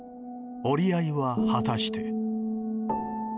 折り合いは果たして。